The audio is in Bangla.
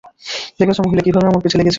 দেখেছ, মহিলা কীভাবে আমার পিছে লেগেছিল?